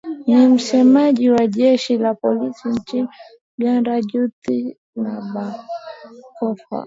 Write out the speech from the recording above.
ni msemaji wa jeshi la polisi nchini uganda judith nabakova